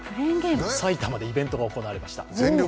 埼玉でイベントが行われました。